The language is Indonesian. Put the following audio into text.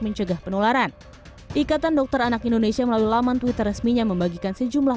mencegah penularan ikatan dokter anak indonesia melalui laman twitter resminya membagikan sejumlah